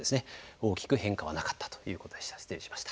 大きく変化はなかったということでした。